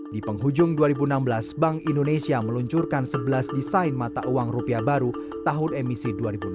di penghujung dua ribu enam belas bank indonesia meluncurkan sebelas desain mata uang rupiah baru tahun emisi dua ribu enam belas